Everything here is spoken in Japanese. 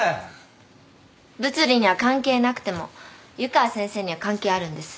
物理には関係なくても湯川先生には関係あるんです。